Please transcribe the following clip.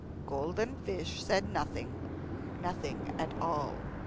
The golden fish said nothing, nothing at all.